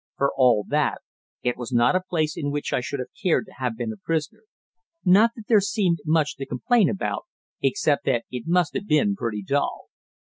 For all that, it was not a place in which I should have cared to have been a prisoner. Not that there seemed much to complain about, except that it must have been pretty dull.